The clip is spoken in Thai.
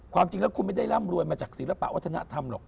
ความจริงแล้วคุณไม่ได้ร่ำรวยมาจากศิลปะวัฒนธรรมหรอก